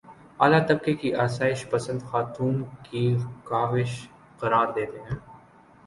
اعلیٰ طبقے کی آسائش پسند خاتون کی کاوش قرار دیتے ہیں